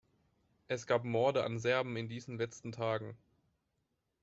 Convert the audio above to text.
Es gab Morde an Serben in diesen letzten Tagen.